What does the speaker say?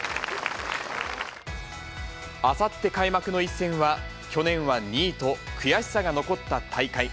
あさって開幕の一戦は、去年は２位と、悔しさが残った大会。